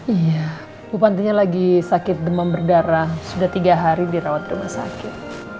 iya bu patinya lagi sakit demam berdarah sudah tiga hari dirawat rumah sakit